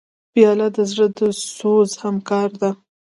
پیاله د زړه د سوز همکار ده.